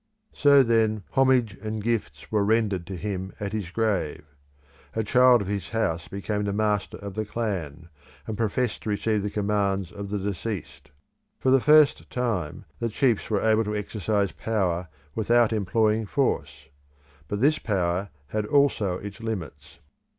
So then homage and gifts were rendered to him at his grave. A child of his house became the master of the clan, and professed to receive the commands of the deceased. For the first time the chiefs were able to exercise power without employing force; but this power had also its limits.